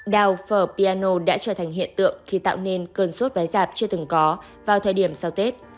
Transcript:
đào phở và piano đã trở thành hiện tượng khi tạo nên cơn suốt vé giạp chưa từng có vào thời điểm sau tết